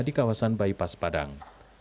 di kawasan bypass padang